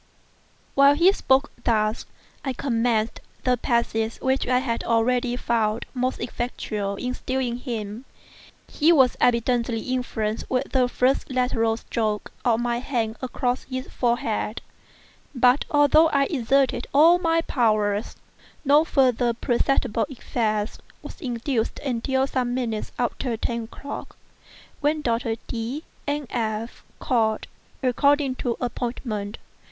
While he spoke thus, I commenced the passes which I had already found most effectual in subduing him. He was evidently influenced with the first lateral stroke of my hand across his forehead; but although I exerted all my powers, no further perceptible effect was induced until some minutes after ten o'clock, when Doctors D—— and F—— called, according to appointment.